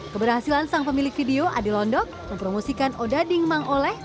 keberhasilan sang pemilik video ade londok mempromosikan odading mangole